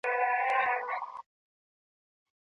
د دولت د انحطاط پر مهال د خلګو حال څه دی؟